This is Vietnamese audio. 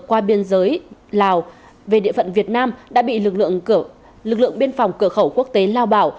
qua biên giới lào về địa phận việt nam đã bị lực lượng biên phòng cửa khẩu quốc tế lao bảo